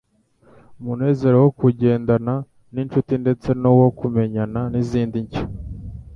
Umunezero wo kugendana n'inshuti ndetse n'uwo kumenyana n'izindi nshya,